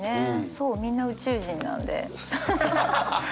そうみんな宇宙人なんで。